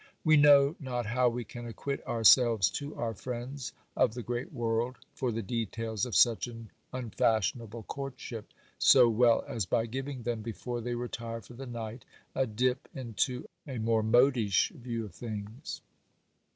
We know not how we can acquit ourselves to our friends of the great world for the details of such an unfashionable courtship, so well as by giving them, before they retire for the night, a dip into a more modish view of things.